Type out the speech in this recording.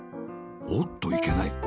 おっといけない。